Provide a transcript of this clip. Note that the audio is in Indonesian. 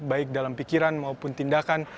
baik dalam pikiran maupun tindakan